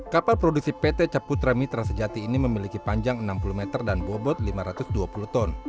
kapal produksi pt caputra mitra sejati ini memiliki panjang enam puluh meter dan bobot lima ratus dua puluh ton